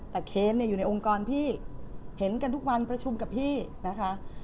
แต่เค้นอยู่ในองค์กรพี่เห็นกันทุกวันประชุมกับพี่นะคะ